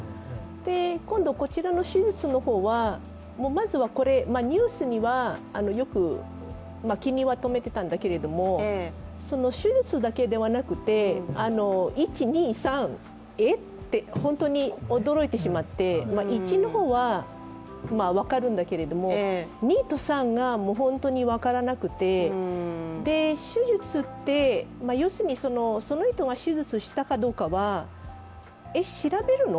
今度、こちらの手術の方はまずはニュースにはよく気にはとめてたんだけれども手術だけではなくて、１、２、３、えっ、って、本当に驚いてしまって１の方は分かるんだけど２と３が本当に分からなくて手術って、要するにその人が手術したかどうかは調べるの？